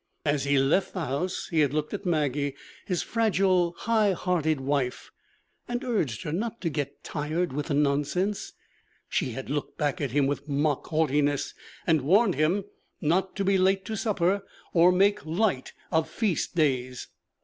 As he left the house he had looked at Maggie, his fragile, high hearted wife, and urged her not to get tired with the nonsense. She had looked back at him with mock haughtiness and warned him not to be late to supper, or make light of feast days.